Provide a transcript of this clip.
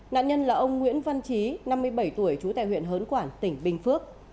nạn nhân là ông nguyễn văn trí năm mươi bảy tuổi trú tại huyện hớn quản tỉnh bình phước